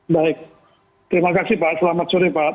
baik terima kasih pak selamat sore pak